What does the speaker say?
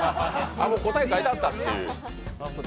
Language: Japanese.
もう答え書いてあったという。